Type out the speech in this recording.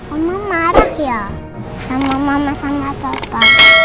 mama marah ya sama mama sama papa